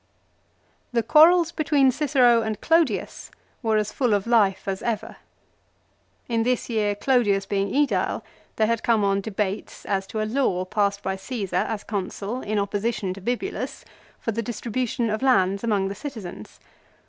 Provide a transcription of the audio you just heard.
The quarrels between Cicero and Clodius were as full of Hfe as ever. In this year, Clodius being ^Edile, there had come on debates as to a law passed by Caesar as consul, in opposition to Bibulus, for the distri bution of lands among the citizens.